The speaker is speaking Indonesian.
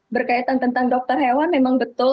berkaitan tentang dokter hewan memang betul